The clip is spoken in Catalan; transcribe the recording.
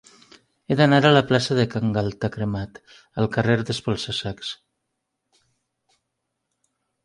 He d'anar de la plaça de Can Galta Cremat al carrer d'Espolsa-sacs.